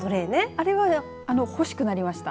あれは欲しくなりました。